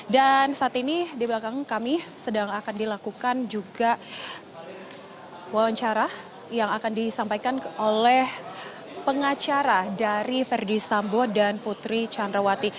dan saat ini di belakang kami sedang akan dilakukan juga wawancara yang akan disampaikan oleh pengacara dari ferdi sambo dan putri canrawati